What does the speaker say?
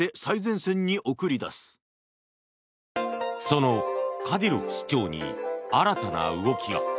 そのカディロフ首長に新たな動きが。